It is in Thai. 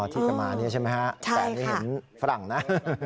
อ๋อที่จะมาอันนี้ใช่ไหมฮะแต่ไม่เห็นฝรั่งนะ